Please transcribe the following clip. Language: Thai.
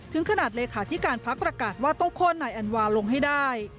ถึงขนาดเลขาธิการพักประกาศว่าต้องโค้นนายแอนวาลงให้ได้